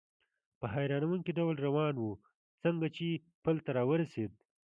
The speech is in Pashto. په حیرانوونکي ډول روان و، څنګه چې پل ته را ورسېدل.